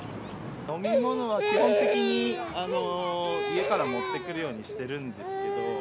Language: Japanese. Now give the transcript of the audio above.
飲み物は基本的に家から持ってくるようにしてるんですけど。